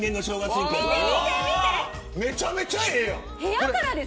めちゃめちゃええやん。